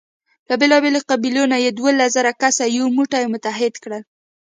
له بېلابېلو قبیلو نه یې دولس زره کسه یو موټی او متحد کړل.